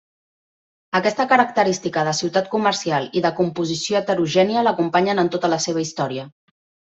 Aquesta característica de ciutat comercial i de composició heterogènia l'acompanyen en tota la seva història.